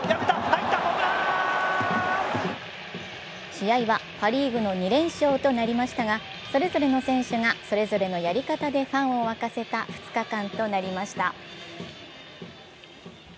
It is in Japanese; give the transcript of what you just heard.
試合はパ・リーグの２連勝となりましたがそれぞれの選手がそれぞれのやり方でファンを沸かせた２日間となりました。